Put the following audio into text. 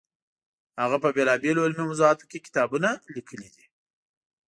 هغه په بېلابېلو علمي موضوعاتو کې کتابونه لیکلي دي.